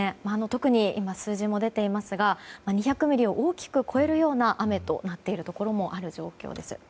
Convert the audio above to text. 特に今数字も出ていますが２００ミリを大きく超えるような雨となっているところもある状況です。